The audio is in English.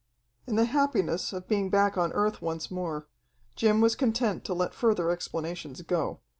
In the happiness of being back on Earth once more, Jim was content to let further explanations go.